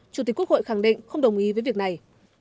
chủ tịch quốc hội khẳng định không đồng ý với việc này